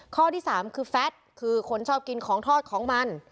ข้อที่๓คือแฟทคือคนชอบกินของทอดของมัน